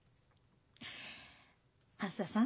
あづささん。